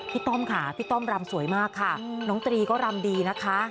ต้อมค่ะพี่ต้อมรำสวยมากค่ะน้องตรีก็รำดีนะคะ